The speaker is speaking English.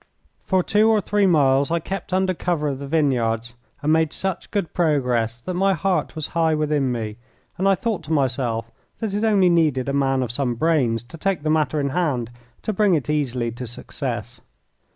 For two or three miles I kept under cover of the vineyards, and made such good progress that my heart was high within me, and I thought to myself that it only needed a man of some brains to take the matter in hand to bring it easily to success.